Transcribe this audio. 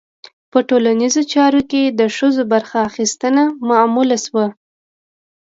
په ټولنیزو چارو کې د ښځو برخه اخیستنه معمول شوه.